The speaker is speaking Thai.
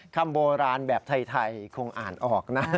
คำโบราณแบบไทยคงอ่านออกนะ